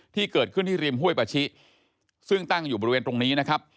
ที่เกิดขึ้นที่ริมห้วยปาชิซึ่งตั้งอยู่บริเวณตรงนี้นะครับ